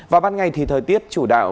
và ban ngày thì thời tiết chủ đạo